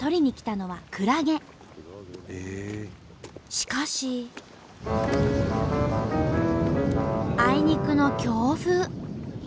しかしあいにくの強風。